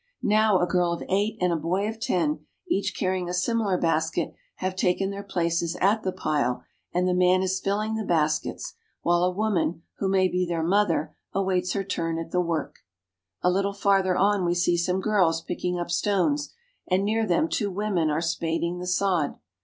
Now a girl of eight and a boy of ten, each carrying a similar basket, have taken their places at the pile, and the man is filling THE SWISS PEOPLE. 265 the baskets, while a woman, who may be their mother, awaits her turn at the work. A little farther on we see some girls picking up stones, and near them two women are spading the sod.